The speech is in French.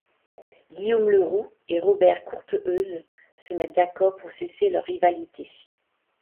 Guillaume le Roux et Robert Courteheuse se mettent d'accord pour cesser leur rivalité.